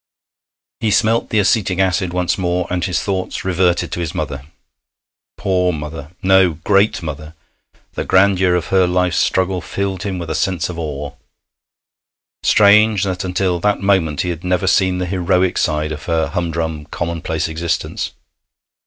He smelt the acetic acid once more, and his thoughts reverted to his mother. Poor mother! No, great mother! The grandeur of her life's struggle filled him with a sense of awe. Strange that until that moment he had never seen the heroic side of her humdrum, commonplace existence!